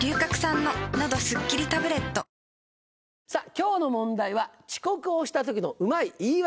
今日の問題は遅刻をした時のうまい言い訳。